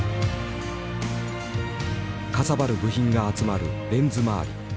かさばる部品が集まるレンズ回り。